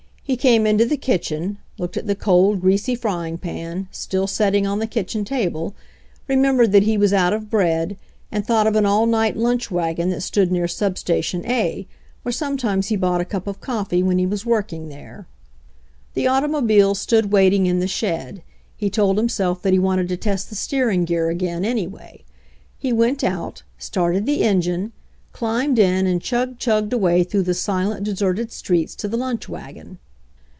He came into the kitchen, looked at the cold, greasy frying pan, still setting on the kitchen table, re membered that he was out of bread, and thought of an all night lunch wagon that stood near sub station A, where sometimes he bought a cup of coffee when he was working there. ENTER COFFEE JIM 97 The automobile stood waiting in the shed; he told himself that he wanted to test the steering gear again, anyway. He went out, started the engine, climbed in and chug chugged away through the silent, deserted streets to the lunch wagon.